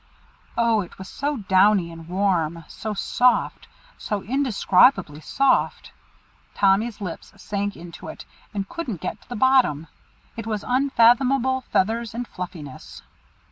Oh! it was so downy and warm, so soft, so indescribably soft. Tommy's lips sank into it, and couldn't get to the bottom. It was unfathomable feathers and fluffiness.